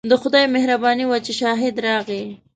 د خدای مهرباني وه چې شاهد راغی.